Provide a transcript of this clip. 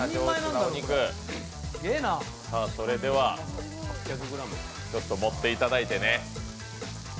それでは、ちょっと盛っていただいてね。